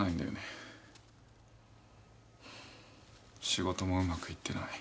仕事もうまくいってない。